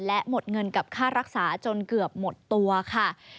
และหมดเงินกับค่ารักษาจนเกือบหมดตัวค่ะ